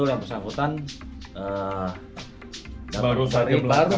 dan mereka mensam comicfireur